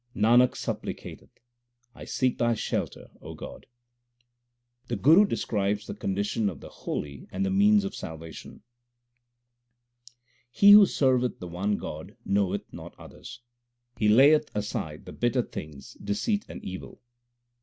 Nanak supplicateth, / seek Thy shelter, O God. The Guru describes the condition of the holy and the means of salvation : He who serveth the one God knoweth not others : He layeth aside the bitter things deceit and evil.